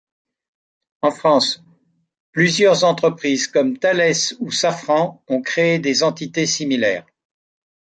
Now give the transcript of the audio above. En France, plusieurs entreprises comme Thales ou Safran ont créé des entités similaires.